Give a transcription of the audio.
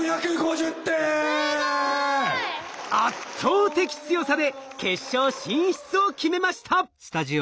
すごい！圧倒的強さで決勝進出を決めました。